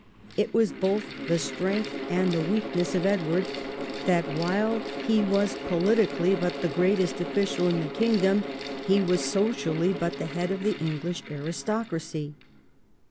It was both the strength and the weakness of Edward, that while he was politically but the greatest official in the kingdom, he was socially but the head of the English aristocracy.